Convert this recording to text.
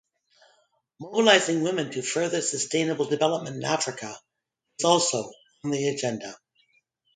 Mobilizing women to further sustainable development in Africa is also on its agenda.